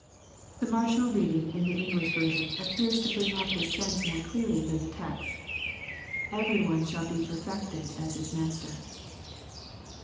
The marginal reading in the English version appears to bring out this sense more clearly than the text — "Every one shall be perfected as his master."